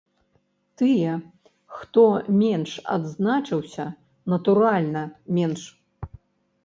Тыя, хто менш адзначыўся, натуральна, менш.